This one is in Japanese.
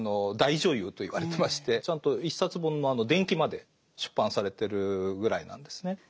大女優といわれてましてちゃんと一冊本の伝記まで出版されてるぐらいなんですね。